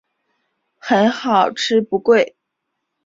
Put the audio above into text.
很好吃不贵